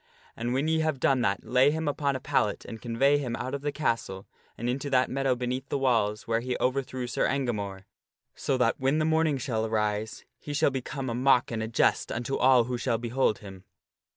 And when ye have done that, lay him upon a pallet and convey him out of the castle and into that meadow beneath the walls where he overthrew Sir Engamore, so that when the morning shall arise he shall become a mock and a jest unto all PARCENET AIDS SIR PELLIAS 3 35 who shall behold him.